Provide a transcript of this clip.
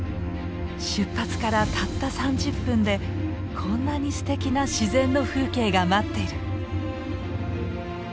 出発からたった３０分でこんなにすてきな自然の風景が待ってる。